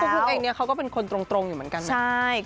ลูกเองเนี่ยเขาก็เป็นคนตรงอยู่เหมือนกันนะ